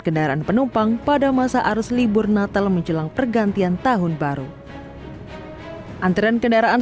kendaraan penumpang pada masa arus libur natal menjelang pergantian tahun baru antrean kendaraan